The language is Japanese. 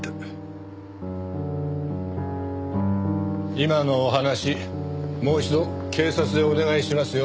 今のお話もう一度警察でお願いしますよ。